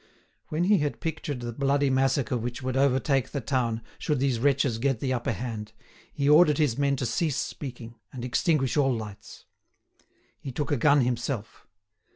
When he had pictured the bloody massacre which would overtake the town, should these wretches get the upper hand, he ordered his men to cease speaking, and extinguish all lights. He took a gun himself.